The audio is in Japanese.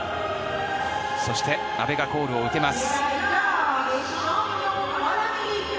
そして阿部がコールを受けます。